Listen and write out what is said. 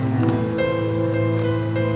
saya sudah berhenti